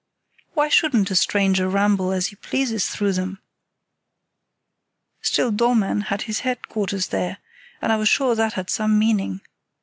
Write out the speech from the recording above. "Why shouldn't a stranger ramble as he pleases through them? Still Dollmann had his headquarters there, and I was sure that had some meaning.